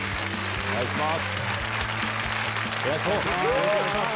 お願いします。